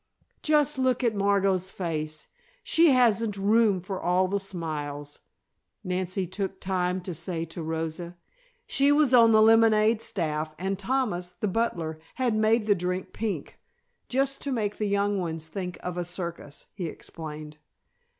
"Just look at Margot's face. She hasn't room for all the smiles," Nancy took time to say to Rosa. She was on the lemonade staff and Thomas, the butler, had made the drink pink, "just to make the young ones think of a circus," he explained.